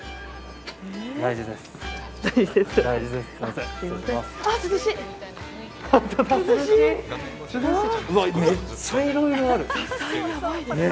大事です。